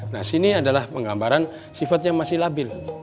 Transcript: nah sini adalah penggambaran sifat yang masih labil